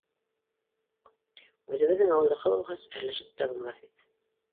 — Үҙебеҙҙең ауылдыҡы булғас, әрләшеп тә булмаҫ бит